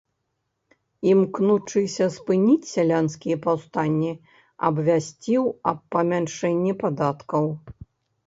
Імкнучыся спыніць сялянскія паўстанні, абвясціў аб памяншэнні падаткаў.